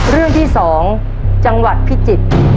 เรื่องที่๒จังหวัดพิจิตร